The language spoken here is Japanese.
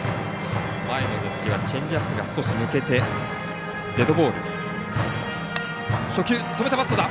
前の打席はチェンジアップが少し抜けて、デッドボール。